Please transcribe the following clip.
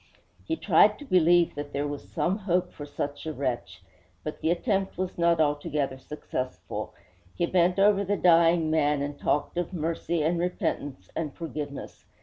He tried to believe that there was some hope for such a wretch; but the attempt was not altogether successful. He bent over the dying man and talked of mercy and repentance and forgiveness.